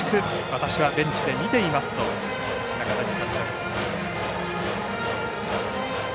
私はベンチで見ていますと中谷監督。